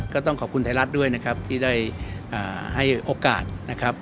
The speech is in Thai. ก็ต้องขอบคุณไทยรัฐด้วยนะครับที่ได้ให้โอกาสนะครับ